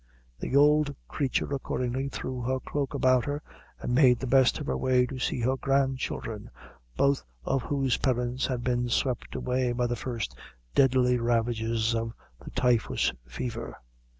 The old creature accordingly threw her cloak about her, and made the best of her way to see her grandchildren, both of whose parents had been swept away by the first deadly ravages of the typhus fever.